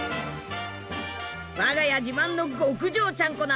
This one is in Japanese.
我が家自慢の極上ちゃんこ鍋